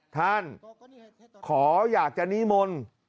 ท่านขออยากจะนิมนต์